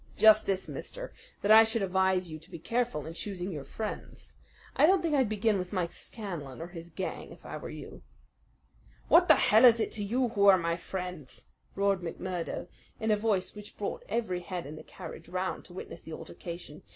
"Just this, mister, that I should advise you to be careful in choosing your friends. I don't think I'd begin with Mike Scanlan or his gang if I were you." "What the hell is it to you who are my friends?" roared McMurdo in a voice which brought every head in the carriage round to witness the altercation.